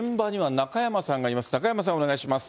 中山さん、お願いします。